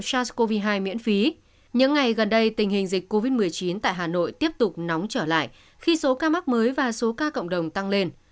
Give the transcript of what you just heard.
hôm nay tình hình dịch covid một mươi chín tại hà nội tiếp tục nóng trở lại khi số ca mắc mới và số ca cộng đồng tăng lên